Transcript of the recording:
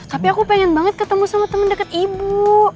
tapi aku pengen banget ketemu sama temen deket ibu